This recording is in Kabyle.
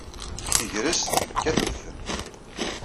Deg tegrest, yekkat udfel